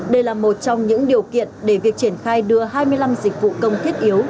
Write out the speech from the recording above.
đây là một trong những điều kiện để việc triển khai đưa hai mươi năm dịch vụ công thiết yếu